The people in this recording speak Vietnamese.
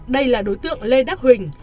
đây là đối tượng lê đắc huỳnh